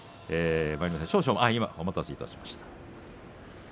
お待たせいたしました。